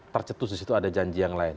tercetus disitu ada janji yang lain